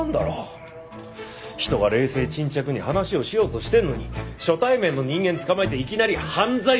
人が冷静沈着に話をしようとしてるのに初対面の人間つかまえていきなり犯罪者扱いとは！